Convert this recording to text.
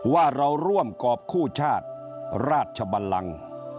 ว่าเราร่วมกรอบคู่ชาติราชบันลัง